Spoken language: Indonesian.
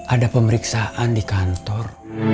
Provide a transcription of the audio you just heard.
ada pemeriksaan di kantor